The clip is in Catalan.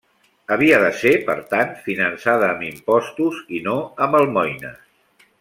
Havia de ser, per tant, finançada amb impostos i no amb almoines.